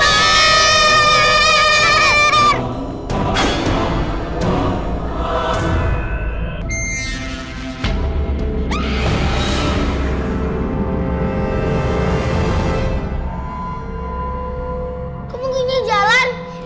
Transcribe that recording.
tidak ada tidak ada the